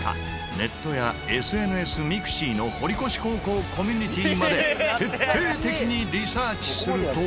ネットやＳＮＳｍｉｘｉの堀越高校コミュニティまで徹底的にリサーチすると。